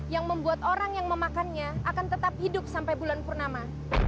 yang membuat orang yang memakannya akan tetap hidup sampai bulan purnama